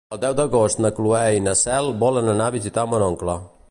El deu d'agost na Cloè i na Cel volen anar a visitar mon oncle.